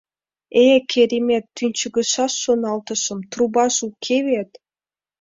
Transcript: «Э-э, керемет, тӱнчыгышаш, — шоналтышым, — трубаже уке вет».